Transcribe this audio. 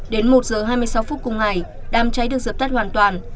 đến một h hai mươi sáu cùng ngày đàm cháy được dập tắt hoàn toàn